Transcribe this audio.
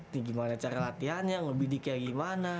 nih gimana cara latihannya ngebidik kayak gimana